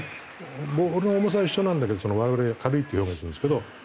ボールの重さは一緒なんだけど我々は「軽い」って表現するんですけど。